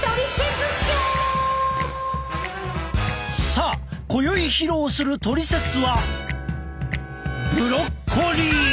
さあ今宵披露するトリセツはブロッコリー！